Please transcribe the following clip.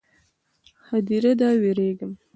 _ هديره ده، وېرېږم.